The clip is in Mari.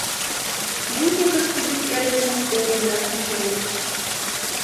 Бурни господин эргыжым ӧрынрак ончале.